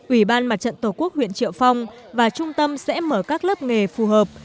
ủy ban mặt trận tổ quốc huyện triệu phong và trung tâm sẽ mở các lớp nghề phù hợp